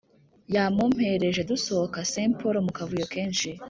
yamumpereje dusohoka Saint Paul mu kavuyo kenshi